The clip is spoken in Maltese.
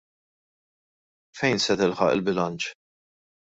Fejn se tilħaq il-bilanċ?